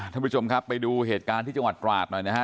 ท่านผู้ชมครับไปดูเหตุการณ์ที่จังหวัดตราดหน่อยนะฮะ